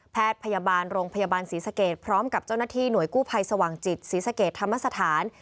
แพทย์พยาบาลโรงพยาบาลศรีสเกตพร้อมกับเจ้าหน้าที่หน่วยกู้ภัยสว่างจิตศรีสะเกดธรรมสถาน